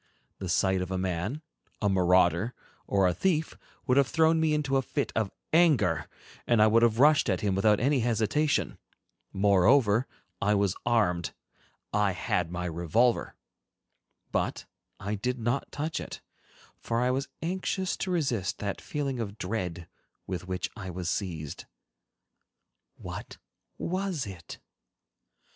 The sight of a man, a marauder, or a thief would have thrown me into a fit of anger, and I would have rushed at him without any hesitation. Moreover, I was armed—I had my revolver. But I did not touch it, for I was anxious to resist that feeling of dread with which I was seized. What was it?